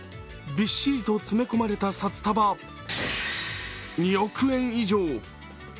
びっしりと詰め込まれた札束、２億円以上。